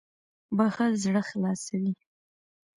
• بښل زړه خلاصوي.